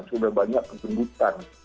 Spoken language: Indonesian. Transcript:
sudah banyak pengebutan